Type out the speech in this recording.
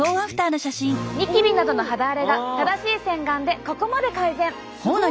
ニキビなどの肌荒れが正しい洗顔でここまで改善！